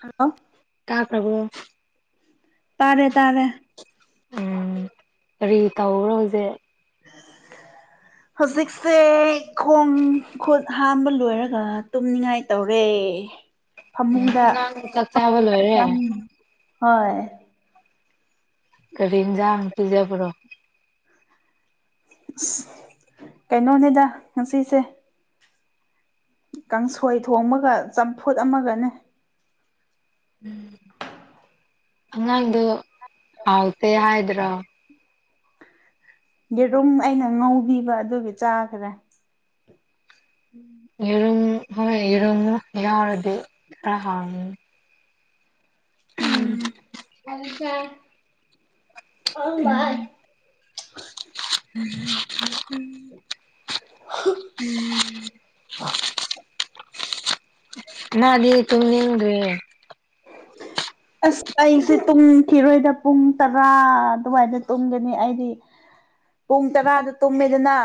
Hello ꯀꯥꯈ꯭ꯔꯕꯣ ꯇꯥꯔꯦ ꯇꯥꯔꯦ ꯎꯝ ꯀꯔꯤ ꯇꯧꯔꯣ ꯍꯧꯖꯤꯛ ꯍꯧꯖꯤꯛꯁꯦ ꯈꯣꯡ ꯈꯨꯠ ꯍꯥꯝꯕ ꯂꯣꯏꯔꯒ ꯇꯨꯝꯅꯤꯡꯉꯥꯏ ꯇꯧꯔꯦ ꯎꯝ ꯐꯃꯨꯡꯗ ꯑꯉꯥꯡ ꯆꯥꯛ ꯆꯥꯕ ꯂꯣꯏꯔꯦ [unintelligible] ꯍꯣꯏ ꯀꯔꯤ ꯑꯦꯟꯁꯡ ꯄꯤꯖꯕꯔꯣ ꯀꯩꯅꯣꯅꯦꯗ ꯉꯁꯤꯁꯦ ꯀꯥꯡꯁꯣꯏ ꯊꯣꯡꯕꯒ ꯆꯝꯐꯨꯠ ꯑꯃꯒꯅꯦ ꯎꯝ ꯑꯉꯥꯡꯗꯣ ꯍꯥꯎꯇꯦ ꯍꯥꯏꯗ꯭ꯔ‌ꯣ ꯌꯦꯔꯨꯝ ꯑꯩꯅ ꯉꯧꯕꯤꯕ ꯑꯗꯨꯒꯤ ꯆꯥꯈꯔꯦ ꯌꯦꯔꯨꯝ ꯍꯣꯏ ꯌꯦꯔꯨꯝ ꯌꯥꯎꯔꯗꯤ ꯈꯔ ꯍꯥꯎꯅꯤ ꯎꯝ [unintelligible] [unintelligible] [unintelligible] ꯎꯝ [inaudible] ꯅꯗꯤ ꯇꯨꯝꯅꯤꯡꯗꫪꯤ ꯑꯁ ꯑꯩꯁꯦ ꯇꯨꯝꯈꯤꯔꯣꯏꯗ ꯄꯨꯡ ꯇꯔꯥ ꯑꯗꯨꯋꯥꯏꯗ ꯇꯨꯝꯒꯅꯤ ꯑꯩꯗꯤ ꯄꯨꯡ ꯇꯔꯥꯗꯨ ꯇꯨꯝꯃꯦꯗꯅ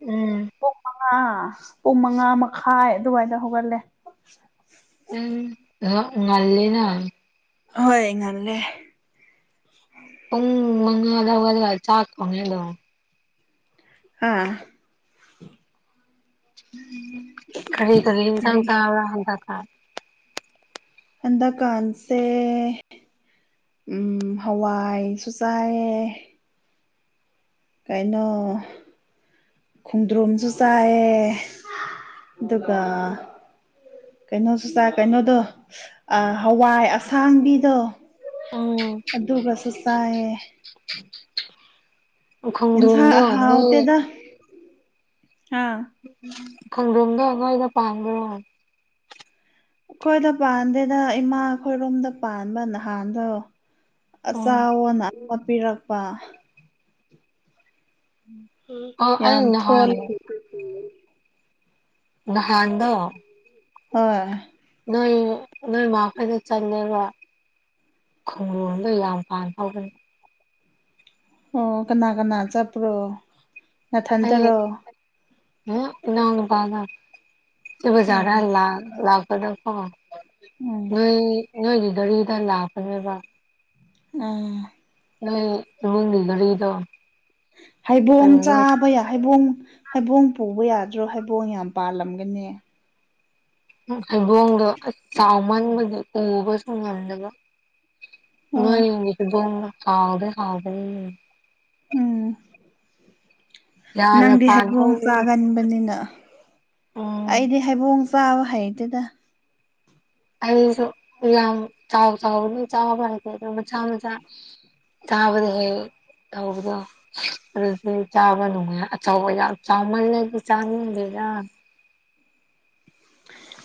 ꯎꯝ ꯑꯥ ꯄꯨꯡ ꯃꯉꯥ ꯃꯈꯥꯏ ꯑꯗꯨꯋꯥꯏꯗ ꯍꯧꯒꯠꯂꯦ ꯅꯪ ꯉꯜꯂ‌ꯦꯅ ꯍꯣꯏ ꯉꯥꯟꯂꯦ ꯄꯨꯡ ꯃꯉꯥꯂꯥ ꯍꯧꯒꯠꯂꯦ ꯆꯥꯛꯊꯣꯡꯑꯦ ꯑꯗꯨꯝ ꯑꯥ ꯀꯔꯤ ꯀꯔꯤ ꯍꯤꯟꯖꯥꯡ ꯆꯥꯕ꯭ꯔꯥ ꯍꯟꯗꯛ ꯊꯥ ꯍꯟꯗꯥꯛ ꯀꯥꯟꯁꯦ ꯎ ꯍꯋꯥꯏꯁꯨ ꯆꯥꯏꯌꯦ ꯀꯩꯅꯣ ꯈꯣꯡꯗ꯭ꯔꯨꯝꯁꯨ ꯆꯥꯏꯌ‌ꯦ ꯑꯗꯨꯒ ꯀꯩꯅꯣꯁꯨ ꯆꯥꯏ ꯀꯩꯅꯣꯗꯣ ꯍꯋꯥꯏ ꯑꯁꯥꯡꯕꯤꯗꯣ ꯎꯝ ꯑꯗꯨꯒꯁꯨ ꯆꯥꯏꯌꯦ ꯏꯟꯁꯥꯡ ꯈꯣꯡꯗ꯭ꯔꯨꯝꯗꯣ ꯅꯣꯏ ꯍꯥꯥ ꯈ‌ꯣꯡꯗ꯭ꯔꯨꯝꯗ‌ꯣ ꯅꯣꯏꯗ ꯄꯥꯟꯕ꯭ꯔꯣ ꯑꯩꯈꯣꯏꯗ ꯄꯥꯟꯗꯦꯗ ꯏꯃꯥ ꯑꯩꯈꯣꯏꯔꯣꯝꯗ ꯄꯥꯟꯕ ꯅꯍꯥꯟꯗꯣ ꯎꯝ ꯆꯑꯣꯅ ꯑꯃ ꯍꯥꯞꯄꯤꯤꯔꯛꯄ ꯎꯝ ꯑ ꯌꯥꯝ ꯑꯩ ꯅꯍꯥꯟ ꯊꯣꯂꯦ ꯅꯍꯥꯟꯗꯣ ꯍꯣꯏ ꯅꯣꯏ ꯅꯣꯏ ꯃꯥꯈꯣꯏꯗꯣ ꯆꯟꯗꯦꯜꯔꯥ ꯈꯨꯡꯗ꯭ꯔꯨꯝꯗ‌ꯣ ꯌꯥꯝ ꯄꯥꯟꯍꯧꯕꯅꯤ ꯑꯣ ꯀꯅꯥ ꯀꯅꯥ ꯆꯠꯞꯄ꯭ꯔꯣ ꯅꯊꯟꯇꯔꯣ ꯍꯝ ꯏꯅꯥꯎꯅꯨꯄꯥꯒ ꯁꯤ ꯑꯣ ꯕꯖꯥꯔꯗ ꯂꯥꯛꯄꯗꯀ‌ꯣ ꯎꯝ ꯅꯣꯏ ꯅꯣꯏꯒꯤ ꯒꯥꯔꯤꯗ ꯂꯥꯛꯄꯅꯦꯕ ꯎꯝ ꯅꯣꯏ ꯏꯃꯨꯡꯒꯤ ꯘꯔꯤꯗ꯫ ꯍꯩꯕꯣꯡ ꯆꯥꯕ ꯌꯥ ꯍꯩꯕꯣꯡ ꯍꯩꯕꯣꯡ ꯄꯨꯕ ꯌꯥꯗ꯭ꯔꯣ ꯍꯩꯕꯣꯡ ꯌꯥꯝ ꯄꯥꯜꯂꯝꯒꯅꯤ꯫ ꯍꯩꯕꯣꯡꯗꯣ ꯑ ꯆꯥꯎꯃꯟꯕꯗꯤ ꯎꯕꯁꯨ ꯉꯝꯗꯕ ꯑꯣ ꯎꯝ ꯏꯣꯗꯦ ꯍꯥꯎꯗꯤ ꯍꯥꯎꯕꯅꯤ꯫ ꯎꯝ꯫ ꯌꯥꯝꯅ ꯅꯪꯗꯤ ꯄꯥꯟ ꯍꯩꯕꯣꯡ ꯍꯧꯕꯅꯤ ꯆꯥꯒꯟꯕꯅꯤꯅ ꯎꯝ ꯑꯩꯗꯤ꯫ ꯊꯩꯕꯣꯡ ꯆꯥꯕ ꯍꯩꯇꯦꯗ ꯑꯩꯁꯨ ꯌꯥꯝ ꯆꯥꯎ ꯆꯥꯎꯕ ꯑꯗꯨ ꯆꯥꯕ ꯍꯩꯇꯦꯗ ꯑꯗꯨ ꯃꯆꯥ ꯃꯆꯥ ꯆꯥꯕꯗ ꯍ ꯇꯗꯣ꯫ ꯑꯗꯨ ꯆꯥꯕ ꯅꯨꯡꯉ ꯑꯆꯧꯕ ꯆꯥꯃꯜꯂꯗꯤ ꯆꯥꯅꯤꯡꯗꯦꯔ꯫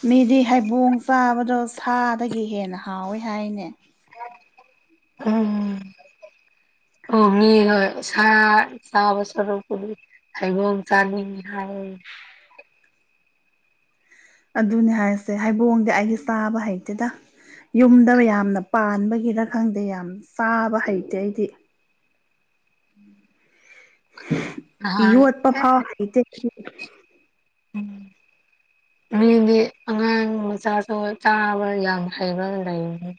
ꯃꯤꯗꯤ ꯍꯩꯕꯣꯡ ꯆꯥꯕꯗꯣ ꯁꯥꯗꯒꯤ ꯍꯦꯟꯅ ꯍꯥꯎꯋꯦ ꯍꯥꯏꯅꯦ꯫ ꯑꯝ꯫ ꯑꯣ ꯃꯤ ꯍ ꯆꯥ ꯆꯥ ꯁꯔ ꯄꯨ꯫ ꯊꯩꯕ‌ꯣꯡ ꯆꯥꯅꯤꯡꯉꯤ ꯍꯥꯏꯌ‌ꯦ ꯑꯗꯨꯅꯦ ꯍꯥꯏꯁꯦ ꯍꯩꯕꯣꯡꯗꯤ ꯑꯩꯗꯤ ꯆꯥꯕ ꯍꯩꯛꯇꯦꯗ ꯌꯨꯝꯗꯕ ꯌꯥꯝꯅ ꯄꯥꯟꯕꯒꯤꯔ ꯈꯪꯗꯦ ꯌꯥꯝ ꯆꯥꯕ ꯍꯩꯇꯦ ꯑꯩꯗꯤ꯫ ꯎꯝ ꯌꯣꯠꯄ ꯐꯥꯎ ꯍꯩꯇꯦ ꯎꯝ ꯃꯤꯗꯤ ꯑꯉꯥꯡ ꯃꯆꯥꯁꯨ ꯆꯥꯕ ꯌꯥꯝ ꯍꯩꯕ ꯂꯩꯕꯅꯤ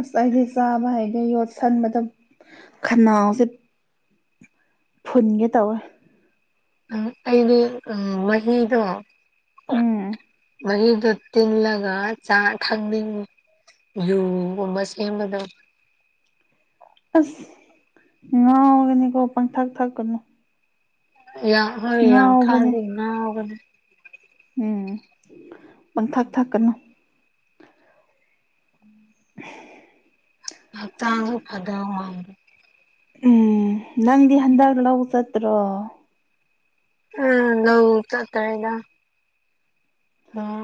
ꯑꯁ ꯑꯩꯗꯤ ꯆꯥꯕ ꯍꯩꯗ ꯌꯣꯠ ꯁꯟꯕꯗꯝ ꯈꯅꯥꯎꯁꯦ ꯐꯨꯟꯒꯦ ꯇꯧꯋꯦ ꯑ ꯑꯩꯗꯤ ꯑ ꯋꯥꯍꯤꯗ‌ꯣ ꯎꯝ ꯃꯍꯤꯗ ꯇꯤꯡꯂꯒ ꯆꯥ ꯊꯛꯅꯤꯡꯉꯤ ꯋꯥꯏꯌꯨꯒꯨꯝꯕ ꯁꯦꯝꯕꯗ‌ꯣ ꯑꯁ ꯉꯥ ꯑꯣꯏꯒꯅꯤꯀꯣ ꯄꯪ ꯊꯥꯛ ꯊꯥꯛꯀꯅꯨ ꯌꯥ ꯍꯣꯏ ꯌꯥꯝꯎ ꯉꯥꯎꯕꯅꯦ ꯊꯥꯖꯅꯥꯒꯅꯤ꯫ ꯎꯝ ꯄꯪ ꯊꯛ ꯊꯛꯀꯅꯨ ꯎꯝ꯫ ꯑ ꯇꯥꯡꯒ ꯐꯗꯥ ꯃꯥꯥꯡ꯫ ꯎꯝ ꯅꯪꯗꯤ ꯍꯟꯗꯛ ꯂꯧ꫰ꯆꯠꯇ꯭ꯔꯣ꯫ ꯎꯝ ꯂꯧ ꯆꯠꯇꯧꯔꯦꯗ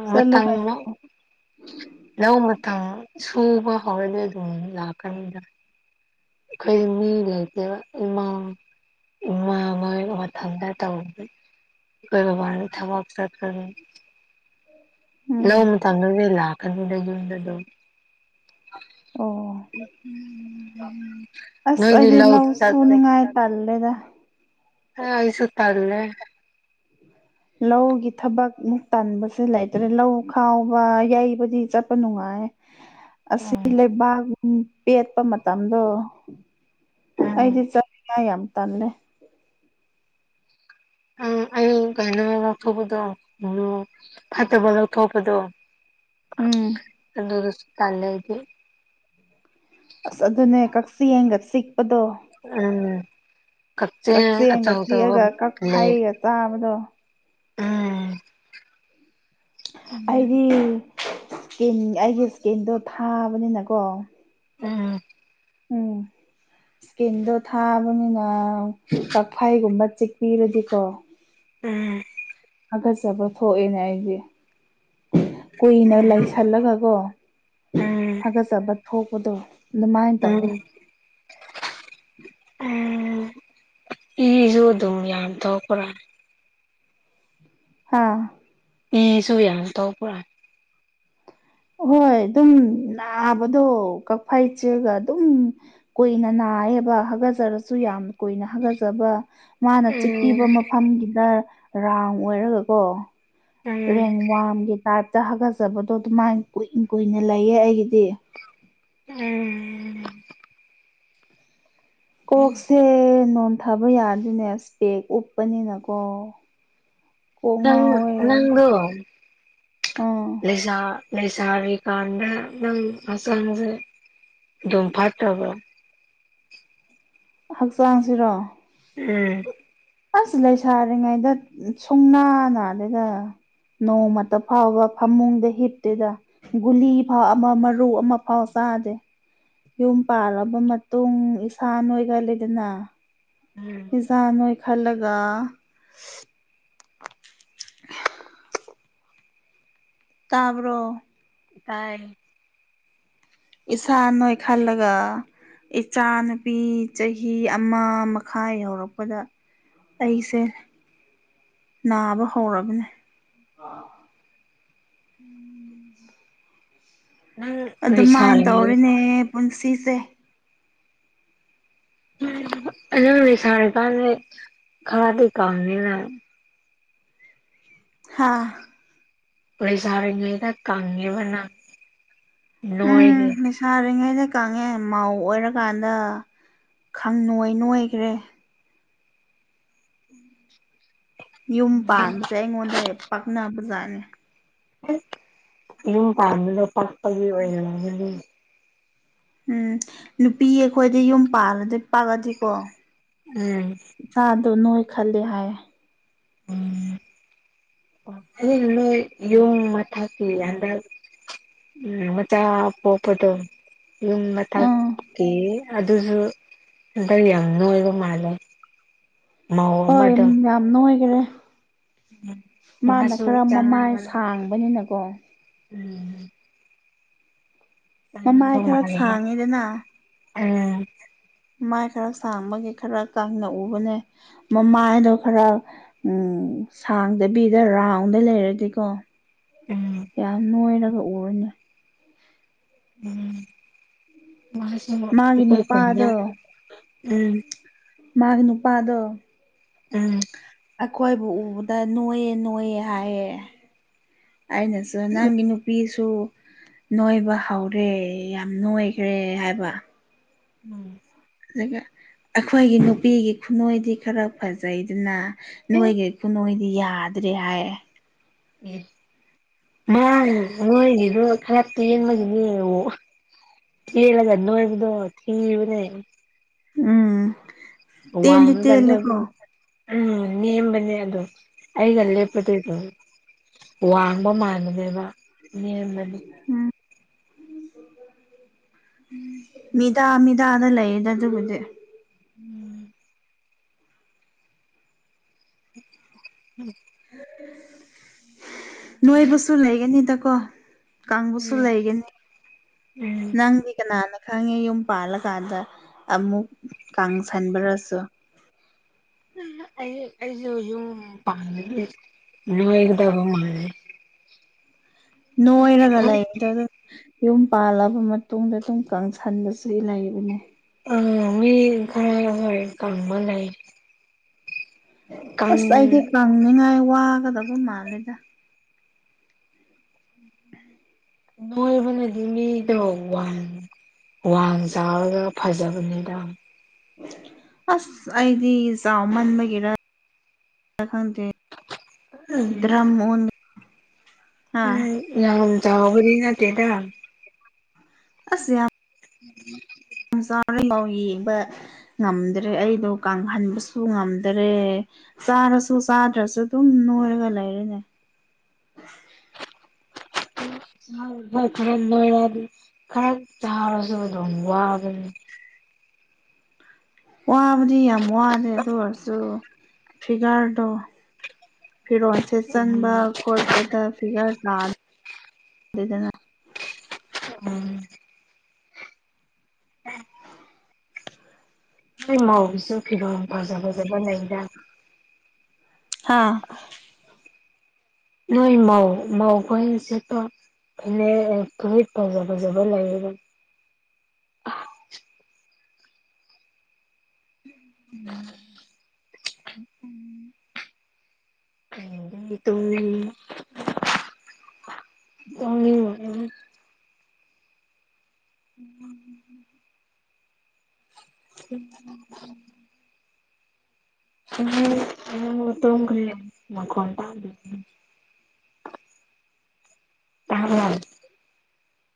ꯎ ꯆꯠꯂꯨ ꯃꯠꯇꯉ꯫ ꯀꯩꯅꯣ ꯂꯧ ꯃꯇꯝ ꯁꯨꯕ ꯍꯧꯔꯗꯤ ꯑꯗꯨꯝ ꯂꯥꯛꯀꯅꯤꯗ ꯈꯩ ꯃꯤ ꯂꯩꯇꯦ ꯏꯃ꯫ ꯃꯥ ꯃꯥ ꯃꯊꯟꯇ ꯇꯧꯏ꯫ ꯀꯣꯏꯕꯥ ꯊꯋꯥꯛꯆꯠ꯫ ꯎꯝ ꯅꯣꯡꯃ ꯃꯇꯝꯗꯨꯗꯩ ꯂꯥꯛꯀꯅꯤꯗ ꯌꯗ ꯑꯗꯨꯝ꯫ ꯑꯣ ꯎꯝ ꯑꯁ ꯅꯣꯏꯗꯤ ꯑꯩꯗꯤ ꯂꯧ ꯆꯠꯈꯔ꯭ꯦ ꯁꯨꯅꯤꯡꯉꯥꯏ ꯇꯜꯂꯦꯗ꯫ ꯑ ꯑꯩ ꯁ ꯇꯜꯂꯦ꯫ ꯂꯧꯒꯤ ꯊꯕꯛ ꯃꯨꯛ ꯇꯟꯕꯁꯦ ꯂꯩꯇ꯭ꯔꯦ ꯂꯧ ꯈꯥꯎꯕ ꯌꯩꯕꯗꯤ ꯆꯠꯄ ꯅꯨꯡꯉꯥꯏ꯫ ꯑꯁꯤ ꯁꯤ ꯎꯝ ꯂꯩꯦꯕꯒ꯫ ꯎꯝ ꯄꯦꯠꯄ ꯃꯇꯝꯗꯣ ꯎꯝ ꯑꯩꯗꯤ ꯆꯥꯉ ꯌꯥꯝ ꯇꯜꯂꯦ꯫ ꯑ ꯑꯩ ꯀꯩꯅꯩꯅꯣ ꯂꯧꯊꯣꯛꯄꯗꯣ ꯎ ꯐꯠꯇꯕ ꯂꯧꯊꯣꯛꯄꯗꯣ ꯎꯝ ꯑꯗꯨꯁꯨ ꯇꯜꯂꯗꯤ ꯑꯁ ꯑꯗꯨꯅꯦ ꯀꯛꯆꯤꯡꯒ ꯆꯤꯛꯄꯗꯣ꯫ ꯎꯝ ꯀꯛꯆꯦꯡ ꯀꯛꯆꯦꯟꯒ ꯑꯆꯧ ꯑꯆꯧꯕ ꯂꯦꯛꯑꯒ ꯂꯩ ꯀꯛꯐꯩꯒ ꯆꯥꯕꯗꯣ ꯎꯝ ꯎꯝ ꯑꯩꯗꯤ ꯁ꯭ꯀꯤꯟ ꯑꯩꯒꯤ ꯁ꯭ꯀꯤꯟꯗꯣ ꯊꯥꯕꯅꯤꯅꯀꯣ ꯎꯝ꯫ ꯎꯝ ꯏꯁꯀꯤꯟꯗꯣ ꯊꯥꯕꯅꯤꯅ ꯀꯛꯐꯩꯒꯨꯝꯕ ꯆꯤ ꯔꯖꯤꯀꯣ꯫ ꯎꯝ꯫ ꯊꯥꯒꯠꯆꯕ ꯊꯣꯛꯑꯦꯅꯦ ꯑꯩꯗꯤ ꯀꯨꯏꯅ ꯂꯩ꯫ ꯈꯜꯂꯒꯀꯣ ꯎꯝ ꯍꯥꯒꯠꯆꯕ ꯊꯣꯛꯄꯗꯣ ꯑꯗꯨꯃꯥꯏꯅ ꯎꯝ ꯇꯧꯋꯦ ꯎ ꯏꯁꯨ ꯑꯗꯨꯝ ꯌꯝꯊꯣꯛꯄꯔꯥ꯫ ꯍꯥꯥ꯫ ꯏꯁꯨ ꯌꯥꯝ ꯇꯧꯕꯧꯕ꯭ꯔꯥ ꯍꯣꯏ ꯑꯗꯨꯝ ꯅꯥꯕꯗꯣ ꯀꯛꯐꯩ ꯆꯛꯑꯒ ꯑꯗꯨꯝ ꯀꯨꯏꯅ ꯅꯥꯏꯌꯦꯕ ꯍꯥꯒꯠꯆꯔꯁꯨ ꯌꯥꯝ ꯀꯨꯏꯅ ꯍꯥꯒꯠꯖꯕ ꯃꯥꯅ ꯎꯝ ꯆꯤꯛꯄꯤꯕ ꯑꯝꯒꯤꯗ ꯔꯥꯎꯟ ꯑꯣꯏꯔꯒꯀꯣ ꯎꯝ ꯔꯦꯡ ꯋꯥꯝꯒꯤ ꯇꯥꯏꯞꯇ ꯍꯥꯒꯠꯆꯕꯗꯣ ꯑꯗꯨꯃꯥꯏ ꯀꯨꯏꯅ ꯀꯨꯏꯅ ꯂꯩꯌꯦ ꯑꯩꯒꯤꯗꯤ ꯎꯝ ꯀꯣꯛꯁꯦ ꯅꯣꯟꯊꯥꯕ ꯌꯥꯗꯣꯏꯅꯦ ꯏꯁꯄꯦꯛ ꯎꯞꯄꯅꯤꯅꯀꯣ ꯀꯣꯛ ꯉꯥꯎꯋꯦ ꯅꯪꯗꯣ ꯑꯥ ꯂꯩꯖꯥ ꯂꯩꯁꯥꯔꯤꯀꯥꯟꯗ ꯅꯪ ꯍꯛꯆꯥꯡꯁꯦ ꯑꯗꯨꯝ ꯐꯠꯇꯕ꯭ꯔꯣ ꯍꯛꯆꯥꯡꯁꯤꯔꯣ ꯎꯝ ꯑꯁ ꯂꯩꯁꯥꯔꯤꯉꯩꯗ ꯁꯨꯡꯅꯥ ꯅꯗꯦꯗ ꯅꯣꯡꯃꯇ ꯐꯥꯎꯕ ꯐꯃꯨꯡꯗ ꯍꯤꯞꯇꯨꯗ ꯒꯨꯂꯤ ꯐꯥꯎ ꯑꯃ ꯃꯔꯨ ꯑꯃ ꯐꯥꯎ ꯆꯥꯗꯦ ꯌꯨꯝ ꯄꯥꯜꯂꯕ ꯃꯇꯨꯡ ꯏꯁꯥ ꯅꯣꯏꯒꯜꯂꯤꯗꯅ ꯎꯝ ꯆꯥ ꯅꯣꯏ ꯈꯜꯂꯒ ꯇꯥꯕ꯭ꯔꯣ ꯇꯥꯏ ꯏꯁꯥ ꯅꯣꯏꯈꯠꯂꯒ ꯏꯆꯥꯅꯨꯄꯤ ꯆꯍꯤ ꯑꯃ ꯃꯈꯥꯏ ꯌꯧꯔꯛꯄꯗ ꯑꯩꯁꯦ ꯅꯥꯕ ꯍꯧꯔꯕꯅꯦ ꯎꯝ ꯅꯪ ꯑꯗꯨꯃꯥꯏꯅ ꯂꯩꯁꯥꯔꯤꯉꯩ ꯇꯧꯔꯤꯅꯦ ꯄꯨꯟꯁꯤꯁꯦ ꯑꯅꯪꯗꯤ ꯂꯩꯁꯥꯔꯤꯀꯥꯟꯗꯦ ꯈꯔꯗꯤ ꯀꯅꯤꯅ ꯍꯥꯥ ꯂꯩꯁꯥꯔꯤꯉꯩꯗ ꯀꯪꯉ‌ꯦꯕꯅꯪ ꯅꯣꯏꯗ‌ꯦ ꯁꯥꯔꯤꯉꯩꯗ ꯀꯪꯉꯦ ꯃꯥꯧ ꯑꯣꯏꯔꯀꯥꯟꯗ ꯈꯪ ꯅꯣꯏ ꯅꯣꯏꯈ꯭ꯔꯦ ꯎꯝ ꯌꯨꯝ ꯄꯥꯟꯕꯁꯦ ꯑꯩꯉꯣꯟꯗ ꯍꯦꯛ ꯄꯥꯛꯅꯕꯖꯥꯠꯅꯤ ꯌꯨꯝ ꯄꯥꯟꯕꯗ ꯄꯛꯄꯒꯤ ꯑꯣꯏꯔꯝꯒꯅꯤ ꯎꯝ ꯅꯨꯄꯤ ꯑꯩꯈꯣꯏꯗꯤ ꯌꯨꯝ ꯄꯥꯜꯂꯗꯤ ꯄꯥꯛꯑꯗꯤꯀꯣ ꯎꯝ ꯁꯥꯗꯣ ꯅꯣꯏꯈꯠꯂꯤ ꯍꯥꯏꯌꯦ ꯎꯝ ꯅꯣꯏ ꯌꯨꯝ ꯃꯊꯛꯀꯤ ꯍꯟꯗꯛ ꯎꯝ ꯃꯆꯥ ꯄꯣꯛꯄꯗꯣ ꯌꯨꯝ ꯑꯥ ꯃꯊꯛꯀꯤ ꯑꯗꯨꯁꯨ ꯍꯟꯗꯛ ꯌꯥꯝ ꯅꯣꯏꯕ ꯃꯥꯜꯂꯦ ꯃꯧ ꯍꯣꯏ ꯌꯥꯝ ꯑꯃꯗꯣ ꯔꯥꯝ ꯅꯣꯏꯈꯔꯦ ꯃꯥꯅ ꯃꯥꯁꯨ ꯈꯔ ꯃꯃꯥꯏ ꯆꯥꯟꯅꯕꯅꯦ ꯁꯥꯡꯕꯅꯤꯅꯀꯣ ꯎꯝ [unintelligible] ꯃꯃꯥꯏ ꯈꯔ ꯃꯥꯂꯤꯕ ꯁꯥꯡꯉꯤꯗꯅ ꯑ ꯃꯥꯏ ꯈꯔ ꯁꯥꯡꯕꯒꯤ ꯈꯔ ꯀꯪꯅ ꯎꯕꯅꯦ ꯃꯃꯥꯏꯗꯣ ꯈꯔ ꯎꯝ ꯁꯥꯡꯗꯕꯤꯗ ꯔꯥꯎꯟꯗ ꯂꯩꯔꯗꯤꯀꯣ ꯎꯝ ꯌꯥꯝ ꯅꯣꯏꯔꯒ ꯎꯔꯅꯦ ꯎꯝ ꯃꯥꯒꯤ ꯃꯥꯄ ꯅꯨꯄꯥꯗꯣ ꯎꯝ ꯃꯒꯤ ꯅꯨꯄꯥꯗꯣ ꯎꯝ ꯑꯩꯈꯣꯏꯕꯨ ꯎꯕꯗ ꯅꯣꯏꯌꯦ ꯅꯣꯏꯌꯦ ꯍꯥꯏꯌꯦ ꯑꯩꯅꯁꯨ ꯅꯪꯒꯤ ꯅꯨꯄꯤꯁꯨ ꯅꯣꯏꯕ ꯍꯧꯔꯦ ꯌꯥꯝ ꯅꯣꯏꯈ꯭ꯔꯦ ꯍꯥꯏꯕ ꯎꯝ ꯑꯗꯨꯒ ꯑꯩꯈꯣꯏꯒꯤ ꯅꯨꯄꯤꯒꯤ ꯈꯨꯅꯏꯗꯤ ꯈꯔ ꯐꯖꯩꯗꯅ ꯅꯣꯏꯚꯤ ꯈꯨꯅꯣꯏꯗꯤ ꯌꯥꯗ꯭ꯔꯦ ꯍꯥꯏꯌꯦ ꯑꯦ ꯃꯥ ꯅꯣꯏꯒꯤꯗꯨ ꯈꯔ ꯇꯦꯟꯕꯒꯤꯅꯦ ꯑꯣ ꯇꯦꯜꯂꯒ ꯅꯣꯏꯕꯗꯣ ꯊꯤꯕꯅꯦ ꯎꯝ ꯇꯦꯟꯗꯤ ꯋꯥꯡꯉꯒ ꯇꯦꯟꯂꯦ ꯀꯣ ꯅꯣꯏꯕ ꯎꯝ ꯅꯦꯝꯕꯅꯦ ꯑꯗꯣ ꯑꯩꯒ ꯂꯦꯞꯄꯗꯣ ꯎꯝ ꯋꯥꯡꯕ ꯃꯥꯟꯕꯅꯦꯕ ꯅꯦꯝꯔꯗꯤ ꯎꯝ ꯃꯤꯗꯥ ꯃꯤꯗꯥꯗ ꯂꯩꯌꯦꯗ ꯑꯗꯨꯕꯨꯗꯤ ꯎꯝ ꯎꯝ꯫ [inaudible] ꯅꯣꯏꯕꯁꯨ ꯂꯩꯒꯅꯤꯗꯀꯣ ꯀꯪꯕꯁꯨ ꯎꯝ ꯂꯩꯒꯅꯤ ꯎꯝ ꯅꯪꯗꯤ ꯀꯅꯥꯅ ꯈꯪꯉꯦ ꯌꯨꯝ ꯄꯥꯜꯂꯀꯥꯟꯗ ꯑꯃꯨꯛ ꯀꯪꯁꯟꯕꯔꯁꯨ ꯑꯩ-ꯑꯩꯁꯨ ꯌꯨꯝ ꯄꯥꯟꯕꯗꯤ ꯂꯣꯏꯒꯗꯕ ꯃꯥꯂꯦ ꯅꯣꯡꯑꯔꯒ [inaudible] ꯌꯨꯝ ꯄꯥꯜꯂꯕ ꯃꯇꯨꯡꯗ ꯑꯗꯨꯝ ꯀꯪꯁꯟꯕꯁꯤ ꯂꯩꯕꯅꯦ ꯑ ꯃꯤ ꯈꯔ ꯍꯣꯏ ꯀꯪꯕ ꯂꯩ꯫ ꯀꯪ ꯑꯁ ꯑꯩꯗꯤ ꯀꯪꯅꯤꯡꯉꯥꯏ ꯋꯥꯒꯗꯕ ꯃꯥꯜꯂꯦꯗ [inaudible] ꯅꯣꯏꯕꯅꯗꯤ ꯃꯤꯗꯣ ꯋꯥꯡ ꯋꯥꯡ ꯆꯥꯎꯔꯒ ꯐꯖꯕꯅꯤꯗ ꯑꯁ ꯑꯩꯗꯤ ꯆꯥꯎꯃꯟꯕꯒꯤꯔ ꯈꯪꯗꯦ ꯗ꯭ꯔꯝ ꯑꯣꯟ ꯍꯥ ꯎꯝ ꯌꯥꯝ ꯆꯣꯏꯕꯗꯤ ꯅꯇꯦꯗ ꯑꯁ ꯌꯥ [unintelligible] [inaudible] ꯌꯦꯡꯕ ꯉꯝꯗ꯭ꯔꯦ ꯑꯩꯗꯣ ꯀꯪꯍꯟꯕꯁꯨ ꯉꯝꯗꯔꯦ ꯆꯥꯔꯁꯨ ꯆꯥꯗ꯭ꯔꯁꯨ ꯑꯗꯨꯝ ꯅꯣꯏꯔꯒ ꯂꯩꯔꯅꯦ ꯍꯣꯏ ꯈꯔ ꯅꯣꯏꯔꯗꯤ ꯈꯔ ꯆꯥꯔꯁꯨ ꯑꯗꯨꯝ ꯋꯥꯒꯅꯤ ꯋꯥꯕꯗꯤ ꯌꯥꯝ ꯋꯥꯗꯦ ꯑꯗꯨ ꯑꯣꯏꯔꯁꯨ ꯐꯤꯒꯔꯗꯣ ꯐꯤꯔꯣꯟꯁꯦ ꯎꯝ ꯆꯟꯕ ꯈꯣꯠꯄꯗ ꯐꯤꯒꯔ ꯇꯥꯗꯦꯗꯅ ꯎꯝ ꯅꯣꯏ ꯃꯧꯁꯨ ꯐꯤꯔꯣꯜ ꯐꯖ ꯐꯖꯕ ꯂꯩꯗ ꯍꯥꯥ ꯅꯣꯏ ꯃꯧ ꯃꯧꯈꯣꯏꯅ ꯁꯦꯠꯄꯥ [inaudible] ꯐꯨꯔꯤꯠ ꯐꯖ ꯐꯖꯕꯥ ꯂꯩꯌ‌ꯦꯕ ꯎꯝ ꯎꯝ꯫ [unintelligible] [unintelligible] ꯇꯨꯝꯅꯤꯡꯉꯦ [unintelligible] [inaudible] ꯍꯝ [inaudible] [inaudible] ꯇꯨꯝꯈ꯭ꯔꯦ ꯃꯈꯣꯟ ꯇꯗ꯭ꯔꯦ ꯇꯥꯕꯔꯥ